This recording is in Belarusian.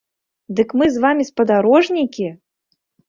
Дык мы з вамі спадарожнікі!